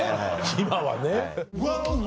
今はね。